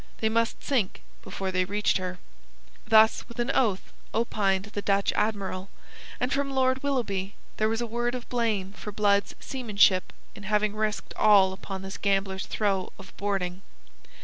They must sink before they reached her. Thus, with an oath, opined the Dutch Admiral, and from Lord Willoughby there was a word of blame for Blood's seamanship in having risked all upon this gambler's throw of boarding.